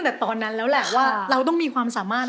แต่ตอนนั้นแล้วแหละว่าเราต้องมีความสามารถ